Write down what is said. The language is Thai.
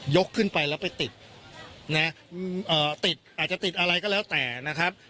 ขึ้นไปแล้วไปติดนะติดอาจจะติดอะไรก็แล้วแต่นะครับ